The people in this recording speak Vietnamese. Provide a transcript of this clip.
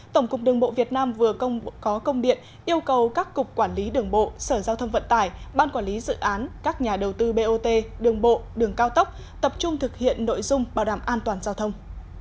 tổng cục đường bộ việt nam vừa có công điện yêu cầu các cục quản lý đường bộ sở giao thông vận tải ban quản lý dự án các nhà đầu tư bot đường bộ đường cao tốc tập trung thực hiện nội dung bảo đảm an toàn giao thông